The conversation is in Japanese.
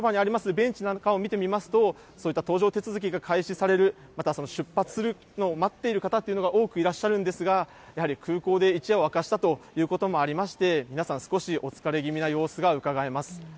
ベンチなんかを見てみますと、そういった搭乗手続きが開始される、また出発するのを待っている方というのが多くいらっしゃるんですが、やはり空港で一夜を明かしたということもありまして、皆さん少しお疲れ気味な様子がうかがえます。